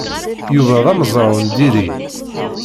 Yuba d amezraw n diri.